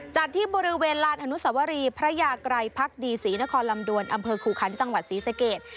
จัดที่บริเวณลานอนุสวรีพระยากรัยพักดีศรีนครลำดวนอำเภอขู่ขันจังหวัดศรีสเกต